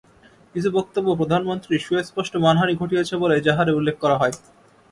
কিছু বক্তব্য প্রধানমন্ত্রীর সুস্পষ্ট মানহানি ঘটিয়েছে বলে এজাহারে উল্লেখ করা হয়।